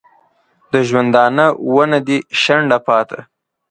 د ژوندانه ونه دي شنډه پاته